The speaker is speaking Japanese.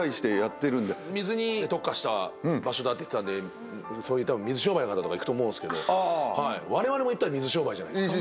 水に特化した場所だって言ってたんでそういう水商売の方とか行くと思うんすけどわれわれもいったら水商売じゃないですか。